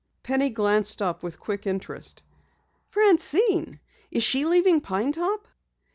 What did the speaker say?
Penny glanced up with quick interest. "Francine? Is she leaving Pine Top?"